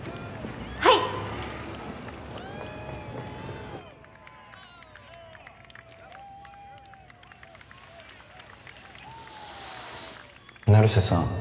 はい成瀬さん